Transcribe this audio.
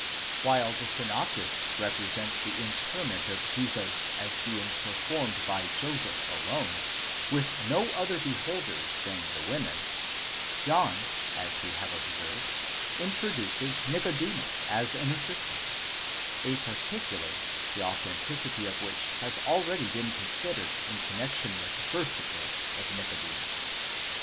_ While the synoptists represent the interment of Jesus as being performed by Joseph alone, with no other beholders than the women, John, as we have observed, introduces Nicodemus as an assistant ; a particular, the authenticity of which has been already considered in connexion with the first appearance of Nicodemus.